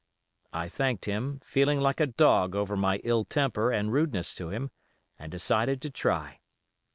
I thanked him, feeling like a dog over my ill temper and rudeness to him, and decided to try.